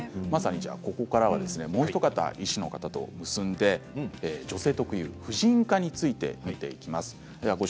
ここからはもうひと方医師の方と結んで女性特有の婦人科について見ていきます。